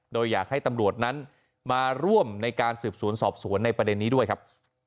โดยอยากให้ตำรวจนั้นมาร่วมในการสืบสวนสอบสวนในประเด็นนี้ด้วยครับ